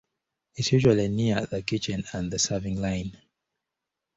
It is usually near the kitchen and the serving line.